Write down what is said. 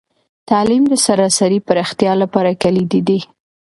تعلیم د سراسري پراختیا لپاره کلیدي دی.